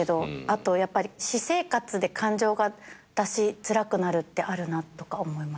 あと私生活で感情が出しづらくなるってあるなとか思いました。